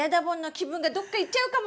気分がどっかいっちゃうかも！